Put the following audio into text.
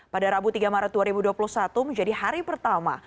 pada rabu tiga maret dua ribu dua puluh satu menjadi hari pertama